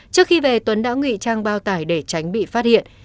trước khi về tuấn đã ngụy trang bao tải để tránh bị phát hiện